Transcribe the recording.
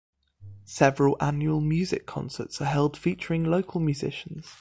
Several annual music concerts are held featuring local musicians.